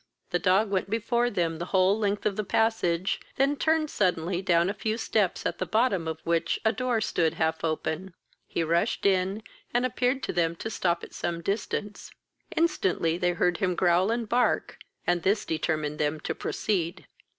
The dog went before them the whole length of the passage, then turned suddenly down a few steps, at the bottom of which a door stood half open: he rushed in, and appeared to them to stop at some distance. Instantly they heard him growl and bark, and this determined them to proceed.